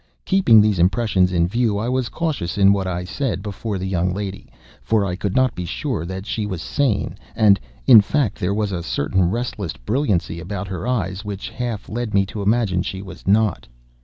Keeping these impressions in view, I was cautious in what I said before the young lady; for I could not be sure that she was sane; and, in fact, there was a certain restless brilliancy about her eyes which half led me to imagine she was not.